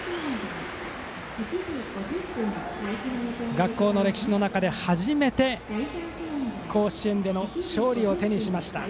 学校の歴史の中で初めて甲子園での勝利を手にしました。